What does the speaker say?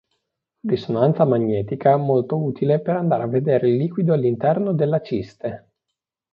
Risonanza magnetica molto utile per andare a vedere il liquido all'interno della ciste.